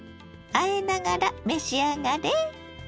あえながら召し上がれ！